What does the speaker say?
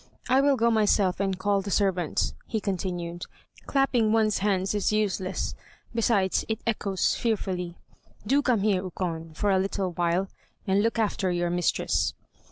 I will go myself and call the servants" he continued, "clapping one's hands is useless, besides it echoes fearfully. Do come here, Ukon, for a little while, and look after your mistress."